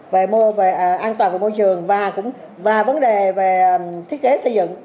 về an toàn của môi trường và vấn đề về thiết kế xây dựng